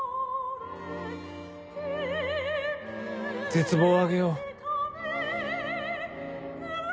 絶望をあげよう。